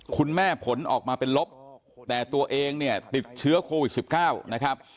คุณแม่ผลออกมาเป็นลบแต่ตัวเองเนี่ยติดเชื้อโควิดสิบเก้านะครับ